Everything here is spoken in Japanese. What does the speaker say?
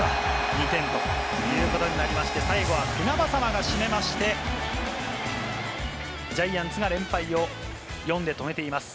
２点ということになって、最後は船迫が締めまして、ジャイアンツが連敗を４で止めています。